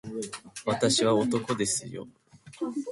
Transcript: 私は男ですよ